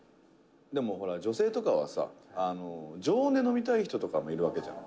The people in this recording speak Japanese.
「でも、ほら、女性とかはさ常温で飲みたい人とかもいるわけじゃん」